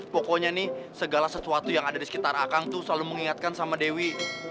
pokoknya nih segala sesuatu yang ada di sekitar akang tuh selalu mengingatkan sama dewi